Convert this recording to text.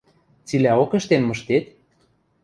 – Цилӓок ӹштен мыштет?